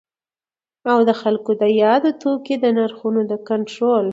او خلګو د یادو توکو د نرخونو د کنټرول